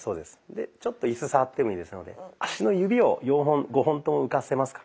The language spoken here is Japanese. でちょっとイス触ってもいいですので足の指を５本とも浮かせますか？